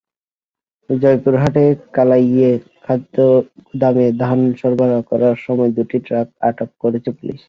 জয়পুরহাটের কালাইয়ে খাদ্যগুদামে ধান সরবরাহ করার সময় দুটি ট্রাক আটক করেছে পুলিশ।